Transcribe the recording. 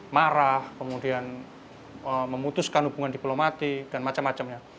marah kemudian memutuskan hubungan diplomatik dan macam macamnya